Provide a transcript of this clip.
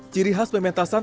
ciri khas pementasan